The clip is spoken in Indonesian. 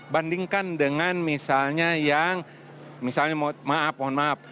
bandingkan dengan misalnya yang misalnya mohon maaf mohon maaf